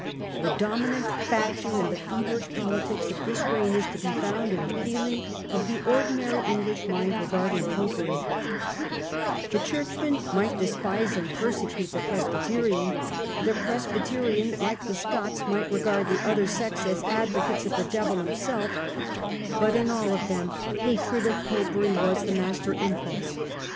The dominant factor in the feverish politics of this reign is to be found in the feeling of the ordinary English mind regarding Popery. The Churchman might despise and persecute the Presbyterian; the Presbyterian, like the Engl feeling regarding Popery. 1663. England and Catholicism. 121 Scots, might regard the other sects as the advocates of the devil himself ; but in all of them hatred of Popery was the master impulse.